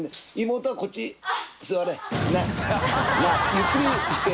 ゆっくりして。